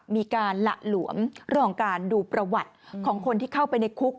มีการหละหลวมเรื่องของการดูประวัติของคนที่เข้าไปในคุก